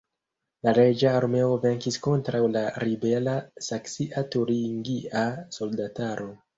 La reĝa armeo venkis kontraŭ la ribela saksia-turingia soldataro.